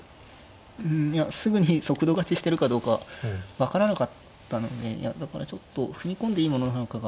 うんいやすぐに速度勝ちしてるかどうか分からなかったのでいやだからちょっと踏み込んでいいものなのかが。